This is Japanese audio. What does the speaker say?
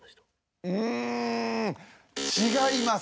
ん違います。